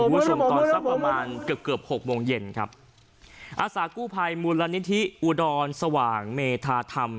คุณผู้ชมตอนสักประมาณเกือบเกือบหกโมงเย็นครับอาสากู้ภัยมูลนิธิอุดรสว่างเมธาธรรม